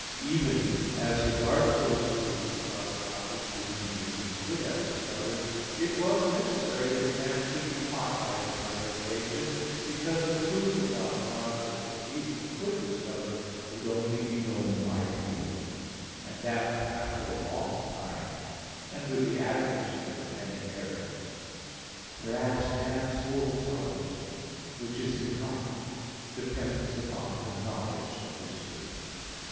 Even as regards those truths about God which human reason could have discovered, it was necessary that man should be taught by a divine revelation; because the truth about God such as reason could discover, would only be known by a few, and that after a long time, and with the admixture of many errors. Whereas man's whole salvation, which is in God, depends upon the knowledge of this truth.